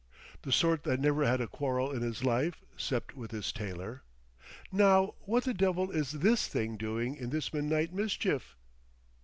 The sort that never had a quarrel in his life, 'cept with his tailor?... Now what the devil is this thing doing in this midnight mischief?...